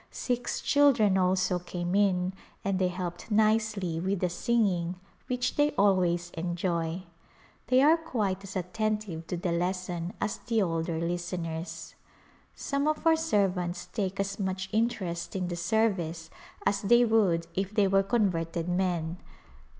Six children also came in and they helped nicely with the singing which they always enjoy. They are quite as attentive to the lesson as the older listeners. Some of our servants take as much interest in the service as they would if they were converted men.